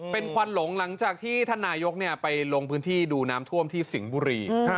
เป็นควันหลงหลังจากที่ท่านนายกไปลงพื้นที่ดูน้ำท่วมที่สิงห์บุรี